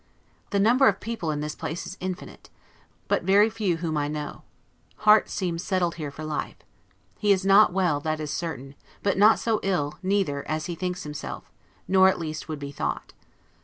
The number of people in this place is infinite; but very few whom I know. Harte seems settled here for life. He is not well, that is certain; but not so ill neither as he thinks himself, or at least would be thought.